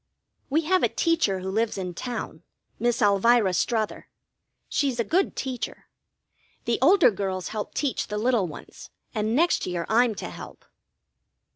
We have a teacher who lives in town, Miss Elvira Strother. She's a good teacher. The older girls help teach the little ones, and next year I'm to help.